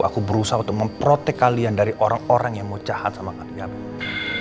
aku berusaha untuk memprotek kalian dari orang orang yang mau jahat sama kalian